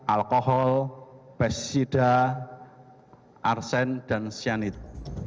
alkohol pesida arsen dan cyanide